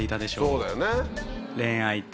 そうだよね。